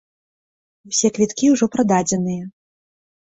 Усе квіткі ўжо прададзеныя.